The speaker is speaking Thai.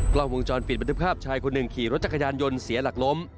กล้องวงจรปิดบันทึกภาพชายคนหนึ่งขี่รถจักรยานยนต์เสียหลักล้ม